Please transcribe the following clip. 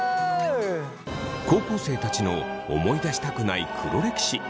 高校生たちの思い出したくない黒歴史。